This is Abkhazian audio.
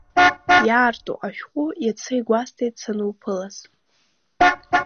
Иаарту ашәҟәы Иацы игәасҭеит сануԥылаз…